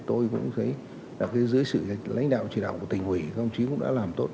tôi cũng thấy dưới sự lãnh đạo chỉ đạo của tỉnh hủy các ông chí cũng đã làm tốt